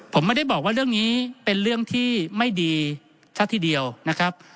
ผมไม่ได้บอกว่าเรื่องนี้เป็นเรื่องที่ไม่ดีซะทีเดียวนะครับ